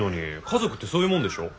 家族ってそういうもんでしょ。